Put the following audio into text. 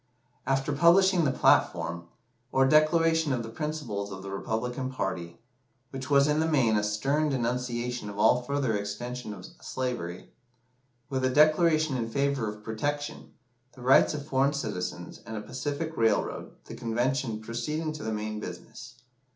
After publishing the "platform," or declaration of the principles of the Republican party which was in the main a stern denunciation of all further extension of slavery with a declaration in favour of protection, the rights of foreign citizens, and a Pacific railroad, the Convention proceeded to the main business.